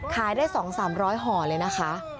ขายได้๒๓๐๐ห่อเลยนะคะ